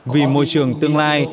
vì môi trường tương lai